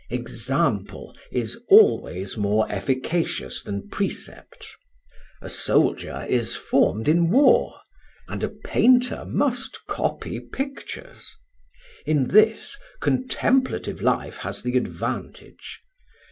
"Example is always more efficacious than precept. A soldier is formed in war, and a painter must copy pictures. In this, contemplative life has the advantage.